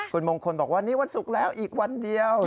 คุณมงคลบอกว่านี่วันศุกร์แล้วอีกวันเดียว